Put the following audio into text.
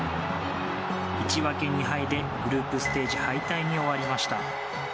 １分け２敗でグループステージ敗退に終わりました。